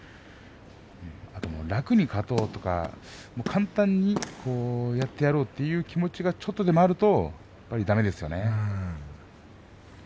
楽に勝とうとか簡単にやってやろうかという気持ちがちょっとでもあるとだめですよね。